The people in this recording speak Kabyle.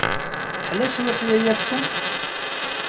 Teḥla cwiṭ yaya-tkent?